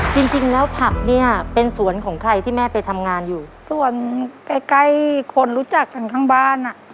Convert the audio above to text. จริงจริงแล้วผักเนี้ยเป็นสวนของใครที่แม่ไปทำงานอยู่ส่วนใกล้ใกล้คนรู้จักกันข้างบ้านอ่ะ